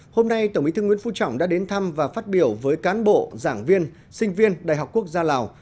hôm nay tổng bí thư nguyễn phú trọng đã đến thăm và phát biểu với cán bộ giảng viên sinh viên đại học quốc gia lào